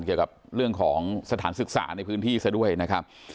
เกี่ยวกับเรื่องของสถานศึกษาในพื้นที่ซะด้วยนะครับ